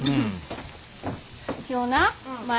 今日な舞